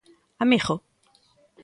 Amigo.